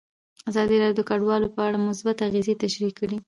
ازادي راډیو د کډوال په اړه مثبت اغېزې تشریح کړي.